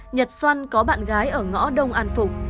nhật xoăn có bạn gái ở ngõ đông an phục